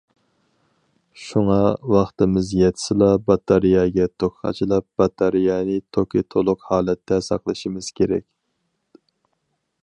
شۇڭا، ۋاقتىمىز يەتسىلا باتارېيەگە توك قاچىلاپ باتارېيەنى توكى تولۇق ھالەتتە ساقلىشىمىز كېرەك.